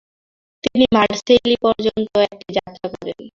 তিনি মারসেইলি পর্যন্ত একটি যাত্রা করেন।